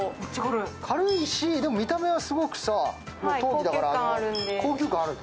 軽いし、見た目はすごく陶器だから高級感ある。